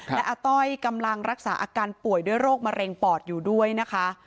และอาต้อยกำลังรักษาอาการป่วยด้วยโรคมะเร็งปอดอยู่ด้วยนะคะ